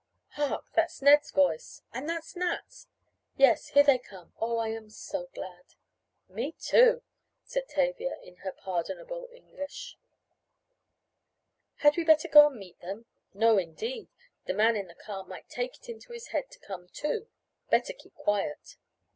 "Hark! That's Ned's voice " "And that's Nat's " "Yes, there they come. Oh, I am so glad " "Me too," said Tavia, in her pardonable English. "Had we better go and meet them?" "No, indeed, the man in the car might take it into his head to come to. Better keep quiet."